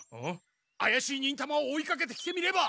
あやしい忍たまを追いかけて来てみれば。